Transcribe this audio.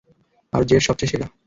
আর jet সবচেয়ে সেরা।